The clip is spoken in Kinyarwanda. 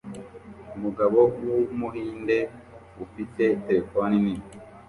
Umugabo wumuhinde ufite terefone nini